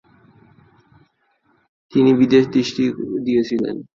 তিনি বিশেষ দৃষ্টি দিয়েছিলেন।